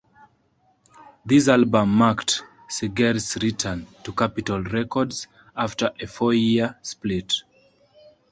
This album marked Seger's return to Capitol Records after a four-year split.